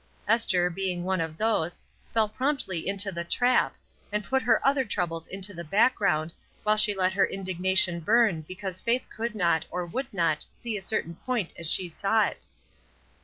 Esther, being one of these, fell promptly into the trap, and put her other troubles into the background, while she let her indignation burn because Faith could not or would not see a certain point as she saw it.